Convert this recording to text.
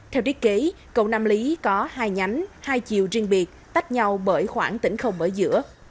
theo thiết kế cầu nam lý có hai nhánh hai chiều riêng biệt tách nhau bởi khoảng tỉnh không ở giữa